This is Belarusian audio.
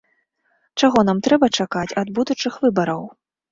Чаго нам трэба чакаць ад будучых выбараў?